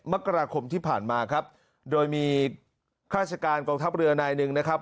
มกราคมที่ผ่านมาครับโดยมีข้าราชการกองทัพเรือนายหนึ่งนะครับ